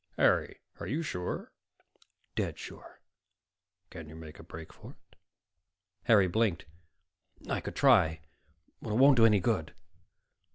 "Harry, are you sure?" "Dead sure." "Can you make a break for it?" Harry blinked. "I could try. But it won't do any good."